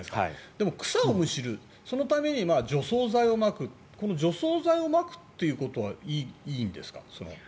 でも草をむしるそのために除草剤をまくこの除草剤をまくっていうことはいいんですか？